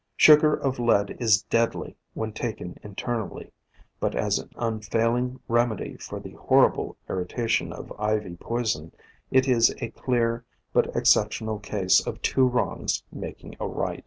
Sugar of lead is deadly when taken internally, but as an unfailing remedy for the horrible irritation of Ivy poison it is a clear but exceptional case of two wrongs making a right.